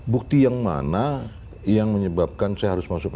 bukti yang mana yang menyebabkan saya harus masuk